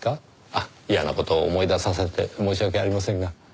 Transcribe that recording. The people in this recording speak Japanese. あっ嫌な事を思い出させて申し訳ありませんが。